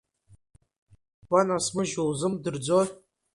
Ишуанасмыжьуа узымдырӡои?